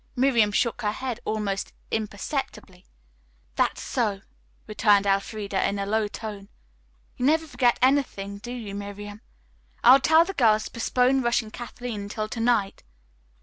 Miriam shook her head almost imperceptibly. "That's so," returned Elfreda in a low tone. "You never forget anything, do you, Miriam? I will tell the girls to postpone rushing Kathleen until to night."